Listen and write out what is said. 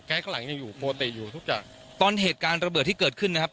ข้างหลังยังอยู่ปกติอยู่ทุกอย่างตอนเหตุการณ์ระเบิดที่เกิดขึ้นนะครับ